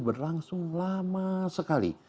berlangsung lama sekali